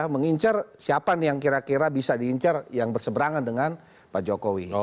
mengincar siapa nih yang kira kira bisa diincar yang berseberangan dengan pak jokowi